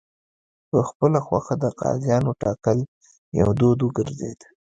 په خپله خوښه د قاضیانو ټاکل یو دود وګرځېد.